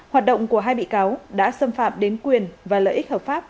hoạt động của hai bị cáo đã xâm phạm đến quyền và lợi ích hợp pháp